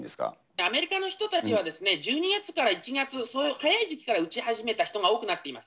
アメリカの人たちは１２月から１月、早い時期から打ち始めた人が多くなっています。